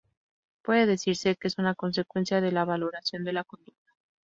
Puede decirse que es una consecuencia de la valoración de la conducta.